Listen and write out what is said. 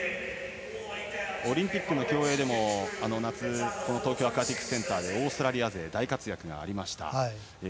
オリンピックの競泳でも東京アクアティクスセンターでオーストラリア勢大活躍がありました。